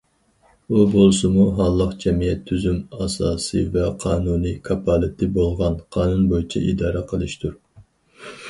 ئۇ بولسىمۇ ھاللىق جەمئىيەت تۈزۈم ئاساسى ۋە قانۇنىي كاپالىتى بولغان قانۇن بويىچە ئىدارە قىلىشتۇر.